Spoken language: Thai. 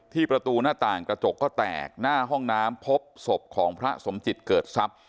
ประตูหน้าต่างกระจกก็แตกหน้าห้องน้ำพบศพของพระสมจิตเกิดทรัพย์